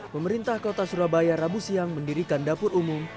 pemerintah kota surabaya rabu siang mendirikan dapur umum